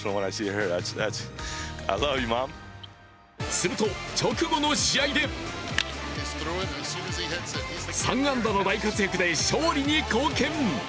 すると直後の試合で３安打の大活躍で勝利に貢献。